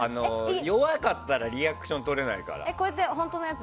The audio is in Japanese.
弱かったらリアクションとれないから。